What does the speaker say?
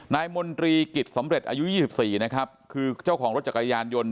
มนตรีกิจสำเร็จอายุ๒๔นะครับคือเจ้าของรถจักรยานยนต์